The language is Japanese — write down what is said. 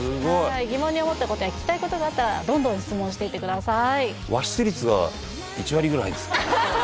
はい疑問に思ったことや聞きたいことがあったらどんどん質問していってください